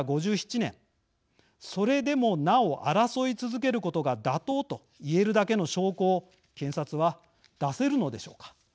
それでもなお争い続けることが妥当と言えるだけの証拠を検察は出せるのでしょうか。